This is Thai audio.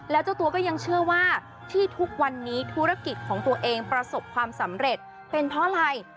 แล้วเจ้าตัวก็ยังเชื่อว่าที่ทุกวันนี้ธุรกิจของตัวเองประสบความสำเร็จเป็นเพราะอะไร